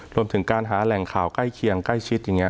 รวมถึงการหาแหล่งข่าวใกล้เคียงใกล้ชิดอย่างนี้